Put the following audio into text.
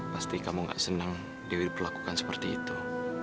pasti kamu gak senang dewi berlakukan seperti itu